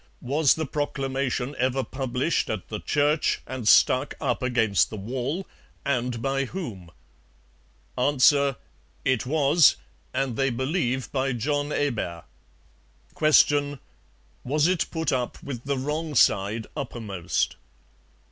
Was the proclamation ever published at the church and stuck up against the wall, and by whom? A. It was, and they believe by John Hebert. Q. Was it put up with the wrong side uppermost?